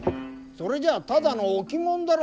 それじゃあただの置物だろ！